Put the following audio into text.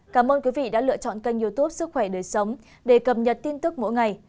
cảm ơn quý vị đã lựa chọn kênh youtube sức khỏe đời sống để cập nhật tin tức mỗi ngày